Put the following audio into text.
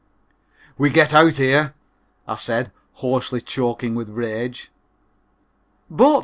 "We get out here," I said, hoarsely, choking with rage. "But!"